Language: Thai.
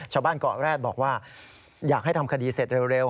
ชาวบ้านเกาะแร็ดบอกว่าอยากให้ทำคดีเสร็จเร็ว